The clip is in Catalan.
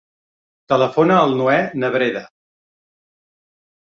Telefona al Noè Nebreda.